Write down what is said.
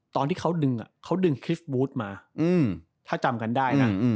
ตอนที่เขาดึงคริสต์วูสมาถ้าจำกันได้นะ